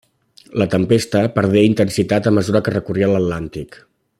La tempesta perdé intensitat a mesura que recorria l'Atlàntic.